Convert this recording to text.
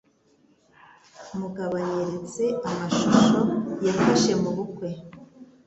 Mugabo anyeretse amashusho yafashe mubukwe.